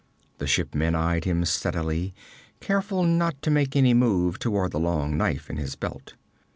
The shipman eyed him steadily, careful not to make any move toward the long knife in his belt.